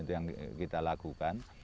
itu yang kita lakukan